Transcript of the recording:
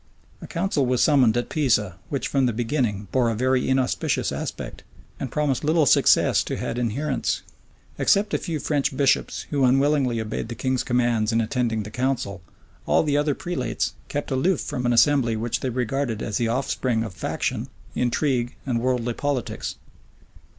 A council was summoned at Pisa, which from the beginning bore a very inauspicious aspect, and promised little success to had adherents. Except a few French bishops, who unwillingly obeyed the king's commands in attending the council, all the other prelates kept aloof from an assembly which they regarded as the offspring of faction, intrigue, and worldly politics.